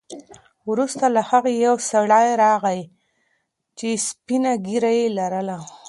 وروسته له هغه یو سړی راغی چې سپینه ږیره یې لرله.